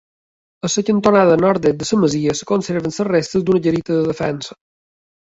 A la cantonada nord-est de la masia es conserven les restes d'una garita de defensa.